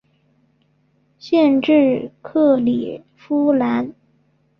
县治克里夫兰。